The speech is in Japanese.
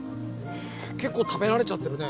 結構食べられちゃってるね。